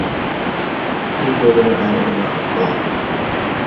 كل ابن آدم خطاّء